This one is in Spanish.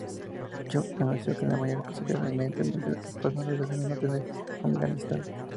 Jung anunció que Alemania reemplazaría inmediatamente las tropas noruegas en el norte de Afganistán.